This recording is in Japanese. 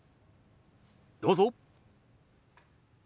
どうぞ。